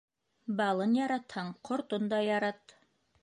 Балын яратһаң, ҡортон да ярат.